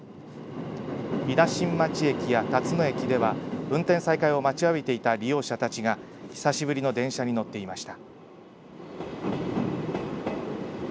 伊那新町駅や辰野駅では運転再開を待ちわびていた利用者たちが久しぶりの電車に乗っていました。